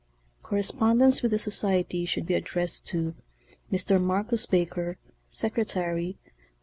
Correspondence with the Soctnry should be addressed to Mr. Marcus Baker, Secretary, No.